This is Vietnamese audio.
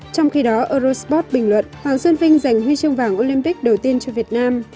trong khi đó eurosport bình luận hoàng xuân vinh giành ghi chương vàng olympic đầu tiên cho việt nam